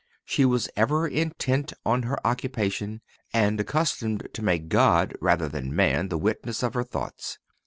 She was ever intent on her occupation, ... and accustomed to make God rather than man the witness of her thoughts.